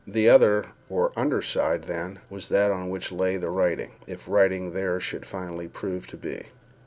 The other, or under side, then, was that on which lay the writing, if writing there should finally prove to be.